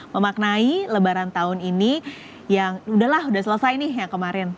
memaknai lebaran tahun ini yang udahlah udah selesai nih yang kemarin